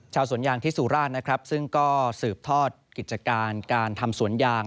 ชาวสวนยางที่สุราชนะครับซึ่งก็สืบทอดกิจการการทำสวนยาง